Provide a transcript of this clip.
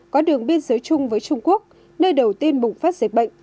có đường biên giới chung với trung quốc nơi đầu tiên bùng phát dịch bệnh